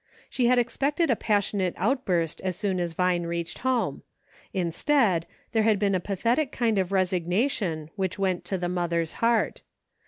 She had expected a passionate outburst as soon as Vine reached home ; instead, there had been a pathetic kind of resignation which went to the mother's heart.